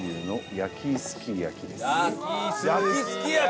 「焼きすき焼き」！